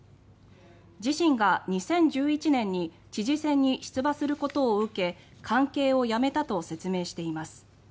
自身が２０１１年に知事選に出馬することを受け関係をやめたと説明しています。